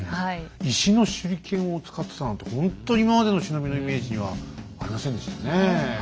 石の手裏剣を使ってたなんてほんと今までの忍びのイメージにはありませんでしたねえ。